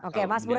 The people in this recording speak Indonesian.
oke mas burhan